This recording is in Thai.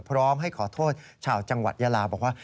พร้อมให้ขอโทษชาวจังหวัดยาลาบอกว่า